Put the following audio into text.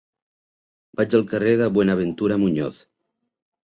Vaig al carrer de Buenaventura Muñoz.